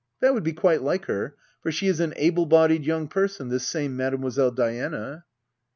That would be quite like her ; for she is an able bodied young person^ this same Mademoiselle Diana.